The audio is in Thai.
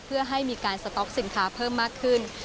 เพื่อให้มีการสต๊อกสินค้าเพิ่มมากขึ้น